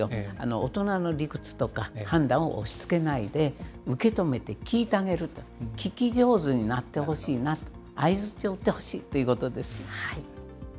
大人の理屈とか判断を押しつけないで、受け止めて聞いてあげると、聞き上手になってほしいな、あいづちを打ってほしいということです。